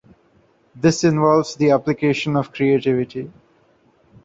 This involves the application of creativity.